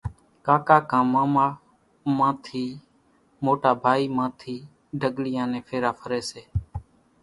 ڪاڪا مان ٿي ماما مان ٿي موٽا ڀائي مان ٿي ڍڳليان نين ڦيرا ڦري سي۔